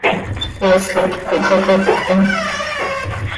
¡Poosj hipquih hpacoctim!